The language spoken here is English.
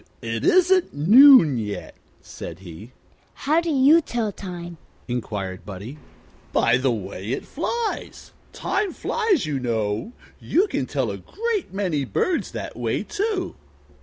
"It isn't noon yet," said he. "How do you tell time?" inquired Buddie. "By the way it flies. Time flies, you know. You can tell a great many birds that way, too."